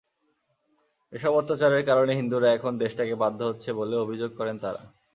এসব অত্যাচারের কারণে হিন্দুরা এখন দেশত্যাগে বাধ্য হচ্ছে বলেও অভিযোগ করেন তাঁরা।